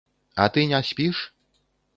А ты не спіш?